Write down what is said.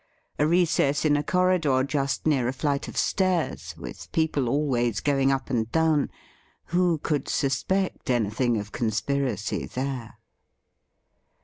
A recess in a corridor just near a flight of stairs, with people always going up and down — who could suspect anything of conspiracy there